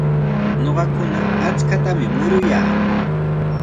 Ñuqakuna achkatami muruyaa.